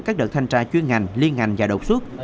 các đợt thanh tra chuyên ngành liên ngành và đột xuất